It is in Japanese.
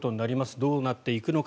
どうなっていくのか。